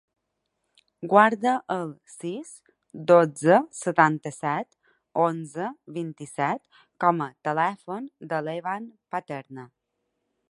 Guarda el sis, dotze, setanta-set, onze, vint-i-set com a telèfon de l'Evan Paterna.